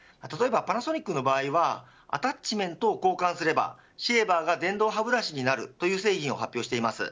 例えばパナソニックの場合はアタッチメントを交換すればシェーバーが電動歯ブラシになるという製品を発表しています。